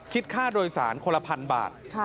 คิดค่าโดยสารคนละพันบาท